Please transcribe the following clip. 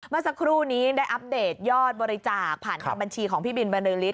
เมื่อสักครู่นี้ได้อัปเดตยอดบริจาคผ่านทางบัญชีของพี่บินบรรลือฤท